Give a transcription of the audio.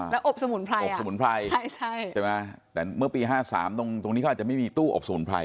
แล้วอบสมุนไพรอบสมุนไพรใช่ไหมแต่เมื่อปี๕๓ตรงนี้เขาอาจจะไม่มีตู้อบสมุนไพร